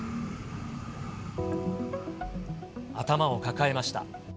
頭を抱えました。